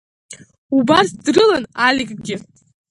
Убарҭ дрылан Аликгьы.